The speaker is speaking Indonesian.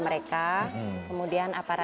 sebagai pengungsi yang bisa diperoleh